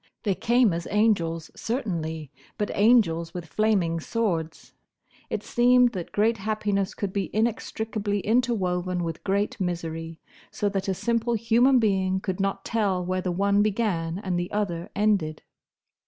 They came as angels, certainly, but angels with flaming swords. It seemed that great happiness could be inextricably interwoven with great misery, so that a simple human being could not tell where the one began and the other ended.